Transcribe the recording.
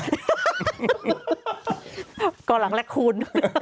เกาะหลังแลกคูณ